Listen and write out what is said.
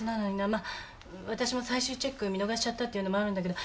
まっ私も最終チェック見逃しちゃったっていうのもあるんだけど。